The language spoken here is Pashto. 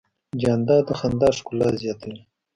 جانداد د خندا ښکلا زیاتوي.